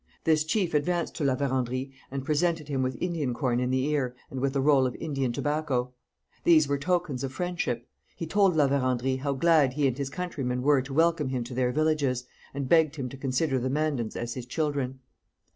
This chief advanced to La Vérendrye and presented him with Indian corn in the ear and with a roll of Indian tobacco. These were tokens of friendship. He told La Vérendrye how glad he and his countrymen were to welcome him to their villages, and begged him to consider the Mandans as his children.